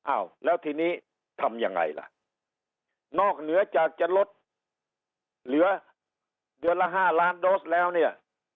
อ้าวแล้วทีนี้ทำยังไงล่ะนอกเหนือจากจะลดเหลือเดือนละ๕ล้านโดสแล้วเนี่ย